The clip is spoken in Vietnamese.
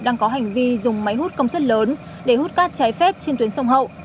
đang có hành vi dùng máy hút công suất lớn để hút cát trái phép trên tuyến sông hậu